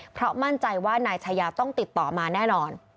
เพราะมั่นใจว่านายชายาต้องติดต่อมาแน่นอน